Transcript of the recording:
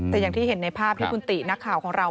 แต่อย่างที่เห็นในภาพที่คุณตินักข่าวของเรา